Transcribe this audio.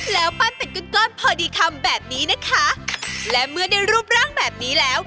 แล้วปั้นเป็นก้อนก้อนพอดีคำแบบนี้นะคะและเมื่อได้รูปร่างแบบนี้แล้ว